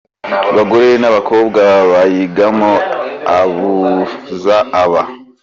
bagore n’abakobwa bayigamo , abuza aba